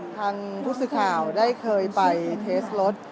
ทางพุธศึกาวได้เคยไปเทสรถ